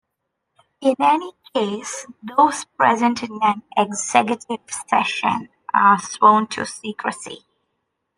In any case, those present in an executive session are sworn to secrecy.